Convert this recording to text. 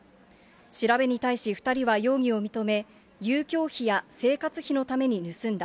調べに対し、２人は容疑を認め、遊興費や生活費のために盗んだ。